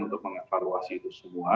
untuk mengevaluasi itu semua